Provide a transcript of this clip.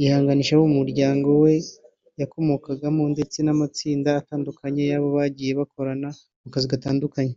yihanganisha abo mu muryango we yakomokagamo ndetse n’amatsinda atandukanye y’abo bagiye bakorana mu kazi gatandukanye